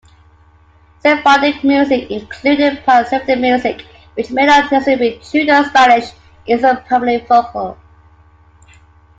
Sephardic music, including pan-Sephardic music which may not necessarily be Judeo-Spanish, is primarily vocal.